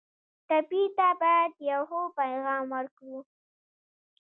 ټپي ته باید یو ښه پیغام ورکړو.